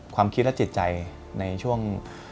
ความคิดและจิตใจในช่วง